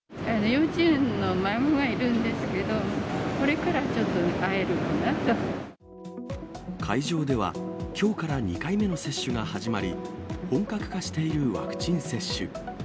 幼稚園の孫がいるんですけど、会場では、きょうから２回目の接種が始まり、本格化しているワクチン接種。